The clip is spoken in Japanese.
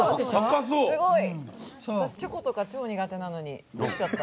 私、チョコとか超苦手なのにできちゃった。